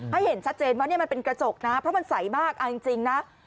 ให้เห็นชัดเจนว่านี่มันเป็นกระจกนะเพราะมันใสมากเอาจริงนะ